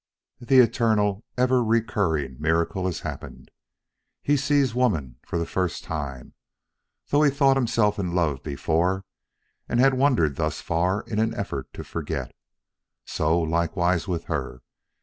The eternal, ever recurring miracle has happened. He sees Woman for the first time, though he had thought himself in love before and had wandered thus far in an effort to forget. So, likewise, with her.